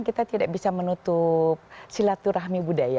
kita tidak bisa menutup silaturahmi budaya